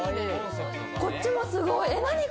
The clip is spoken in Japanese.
こっちもすごい。